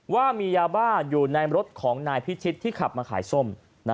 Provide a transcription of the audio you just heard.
ว่ามียาบ้าอยู่ในรถของนายพิชิตที่ขับมาขายส้ม